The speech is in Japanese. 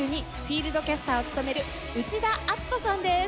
フィールドキャスターを務める内田篤人さんです。